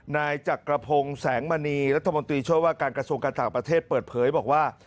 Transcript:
นายจักรพงศ์แสงมณีรัฐมนตรีช่วยว่าการกระทรวงการต่างประเทศเปิดเผยบอกว่า